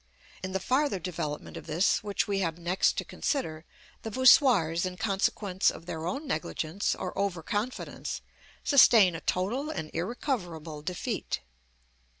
In the farther development of this, which we have next to consider, the voussoirs, in consequence of their own negligence or over confidence, sustain a total and irrecoverable defeat.